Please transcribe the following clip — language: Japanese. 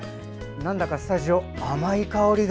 なんだかスタジオ甘い香りが。